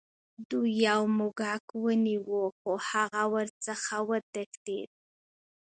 دوی یو موږک ونیو خو هغه ورڅخه وتښتید.